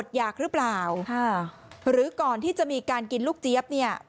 อยากหรือเปล่าหรือก่อนที่จะมีการกินลูกเจี๊ยบเนี่ย